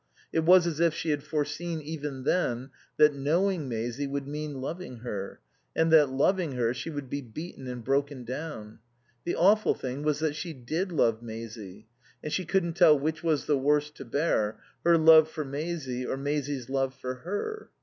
It was as if she had foreseen, even then, that knowing Maisie would mean loving her, and that, loving her, she would be beaten and broken down. The awful thing was that she did love Maisie; and she couldn't tell which was the worse to bear, her love for Maisie or Maisie's love for her.